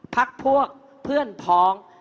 พักพวกเพื่อนพ้อง